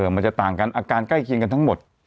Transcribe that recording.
มันจะต่างกันอาการใกล้เคียงกันทั้งหมด